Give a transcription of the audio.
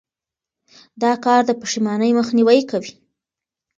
دا کار د پښېمانۍ مخنیوی کوي.